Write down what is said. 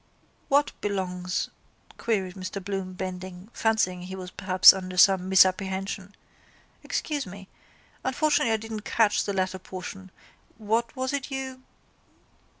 —What belongs, queried Mr Bloom bending, fancying he was perhaps under some misapprehension. Excuse me. Unfortunately, I didn't catch the latter portion. What was it you...?